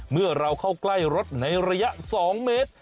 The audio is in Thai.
เมื่อเราเข้าใกล้รถในระยะ๒เมตร